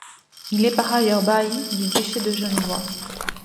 Il est par ailleurs bailli du duché de Genevois.